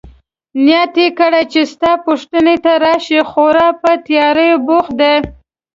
نیت يې کړی چي ستا پوښتنې ته راشي، خورا په تیاریو بوخت دی.